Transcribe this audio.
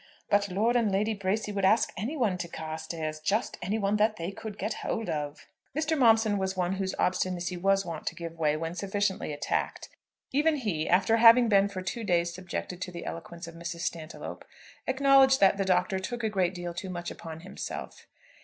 But Lord and Lady Bracy would ask any one to Carstairs, just any one that they could get hold of!" Mr. Momson was one whose obstinacy was wont to give way when sufficiently attacked. Even he, after having been for two days subjected to the eloquence of Mrs. Stantiloup, acknowledged that the Doctor took a great deal too much upon himself.